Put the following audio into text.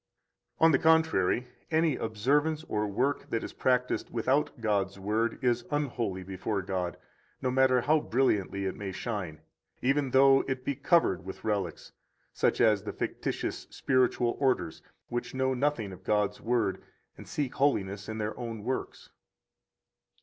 93 On the contrary, any observance or work that is practised without God's Word is unholy before God, no matter how brilliantly it may shine, even though it be covered with relics, such as the fictitious spiritual orders, which know nothing of God's Word and seek holiness in their own works.